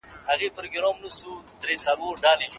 له مالته دي یم لیري ستا له درده پردی نه یم